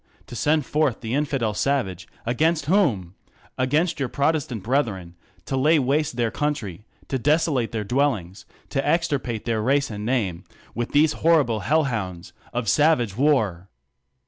to send forth the infidel savage — against whom ^ against your protestant brethren ; to lay waste their country \ to desolate their dwellings, and extirpate their race and name, with these horrible bell hounds of savage war!